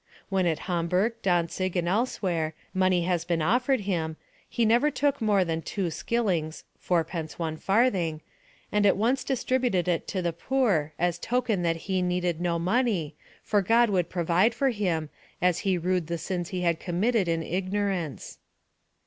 When at Hamburg, Dantzig, and elsewhere, money has been offered him, he never took more than two skillings (fourpence, one farthing), and at once distributed it to the poor, as token that he needed no money, for God would provide for him, as he rued the sins he had committed in ignorance.